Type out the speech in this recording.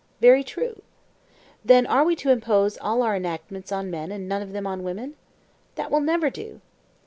Very true. Then are we to impose all our enactments on men and none of them on women? That will never do.